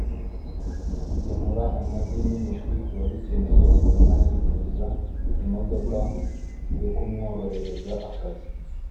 kugemura amagi n’imishwi ku babikeneye bituma yifuza imodoka yo kumworohereza akazi